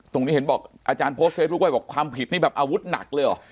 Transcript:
เห็นบอกอาจารย์โพสต์เฟซบุ๊คไว้บอกความผิดนี่แบบอาวุธหนักเลยเหรอ